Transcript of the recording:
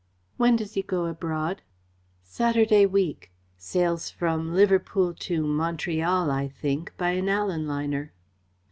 "When does he go abroad?" "Saturday week. Sails from Liverpool to Montreal, I think, by an Allan liner."